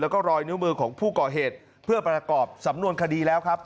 แล้วก็รอยนิ้วมือของผู้ก่อเหตุเพื่อประกอบสำนวนคดีแล้วครับ